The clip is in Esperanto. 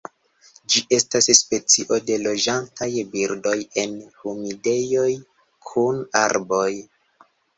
Ĝi estas specio de loĝantaj birdoj en humidejoj kun arboj.